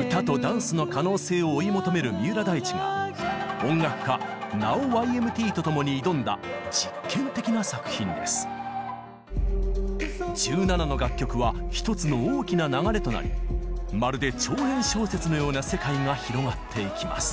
歌とダンスの可能性を追い求める三浦大知が１７の楽曲はひとつの大きな流れとなりまるで長編小説のような世界が広がっていきます。